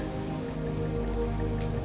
semuanya sebelum terlambat